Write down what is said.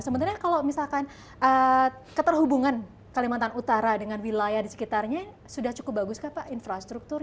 sebenarnya kalau misalkan keterhubungan kalimantan utara dengan wilayah di sekitarnya sudah cukup bagus kan pak infrastruktur